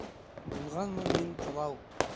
Булғанмын мин Ҡолау